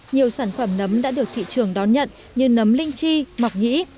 nhiều sản phẩm nấm đã được thị trường đón nhận như nấm linh chi mọc nhĩ